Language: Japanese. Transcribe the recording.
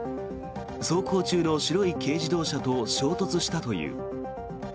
走行中の白い軽自動車と衝突したという。